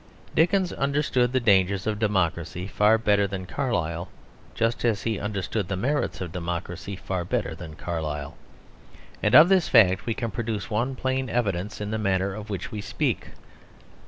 Dickens understood the danger of democracy far better than Carlyle; just as he understood the merits of democracy far better than Carlyle. And of this fact we can produce one plain evidence in the matter of which we speak.